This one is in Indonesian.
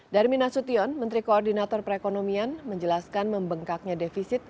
darmin nasution menteri koordinator perekonomian menjelaskan membengkaknya defisit